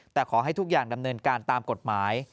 แต่ขอให้ทุกอย่างดำเนินการตามกฎหมาย